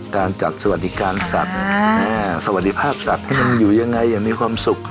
การจัดสวัสดิการสัตว์สวัสดีภาพสัตว์ให้มันอยู่ยังไงอย่างมีความสุข